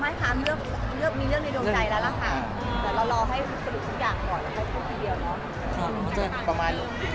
แล้วก็รู้ว่าเราไปกับเพื่อนก็สู้ตายกันแค่ไหน